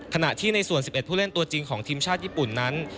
ขณะที่ในส่วน๑๑ผู้เล่นตัวจริงของทีมชาติญี่ปุ่นนั้น